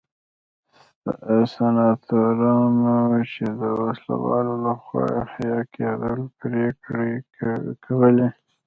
سناتورانو چې د وسله والو لخوا حیه کېدل پرېکړې کولې.